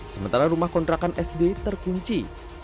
sementara rumah kontrakan sd terkunci